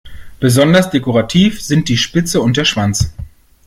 Besonders dekorativ sind die Spitze und der Schwanz.